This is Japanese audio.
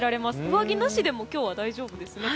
上着なしでも今日は大丈夫ですね。